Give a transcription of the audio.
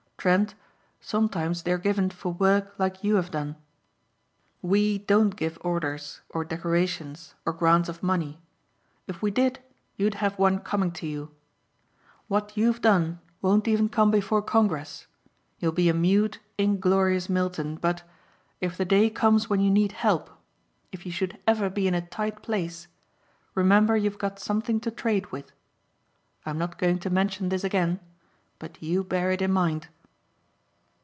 Trent, sometimes they are given for work like you have done. We don't give orders or decorations or grants of money. If we did you'd have one coming to you. What you've done won't even come before Congress. You'll be a mute inglorious Milton, but if the day comes when you need help, if you should ever be in a tight place, remember you've got something to trade with. I'm not going to mention this again but you bear it in mind."